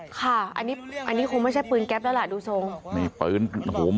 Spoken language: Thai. ค่ะอันนี้คงไม่ใช่ปืนแก๊บแล้วล่ะดูทรง